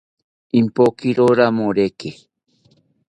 Ompokiro ramoreke